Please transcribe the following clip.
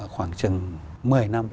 khoảng chừng một mươi năm